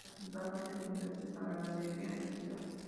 La principal fuente de ingresos es la ganadería en la ciudad.